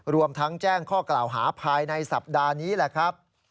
รวมทั้งแจ้งข้อกล่าวหาภายในสัปดาห์นี้แหละครับ